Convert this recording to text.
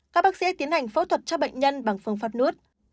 các bác sĩ tiến hành phẫu thuật cho bệnh nhân bằng phương pháp nuốt